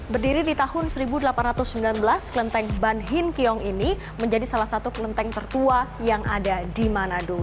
berdiri di tahun seribu delapan ratus sembilan belas kelenteng ban hin kiong ini menjadi salah satu kelenteng tertua yang ada di manado